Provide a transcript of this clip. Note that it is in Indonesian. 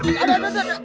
aduh aduh aduh